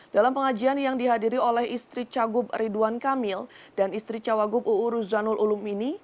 dalam pengajian yang dihadiri oleh istri cagup ridwan kamil dan istri cawagup uu ruzanul ulum ini